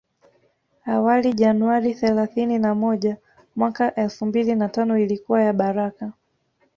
Awali Januari thelasini na moja mwaka elfu mbili na tano ilikuwa ya baraka